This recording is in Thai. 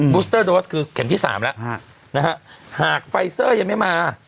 สเตอร์โดสคือเข็มที่สามแล้วนะฮะหากไฟเซอร์ยังไม่มา